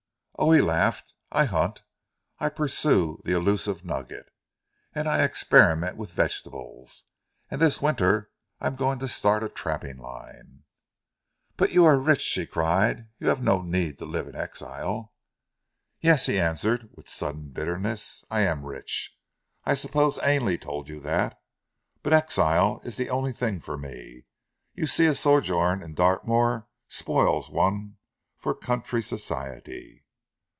"Oh," he laughed. "I hunt, I pursue the elusive nugget, and I experiment with vegetables. And this winter I am going to start a trapping line." "But you are rich!" she cried. "You have no need to live in exile." "Yes," he answered with sudden bitterness. "I am rich. I suppose Ainley told you that. But exile is the only thing for me. You see a sojourn in Dartmoor spoils one for county society."